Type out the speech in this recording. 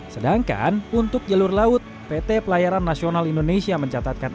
sedangkan untuk jalur laut pt pelayaran nasional indonesia mencatatkan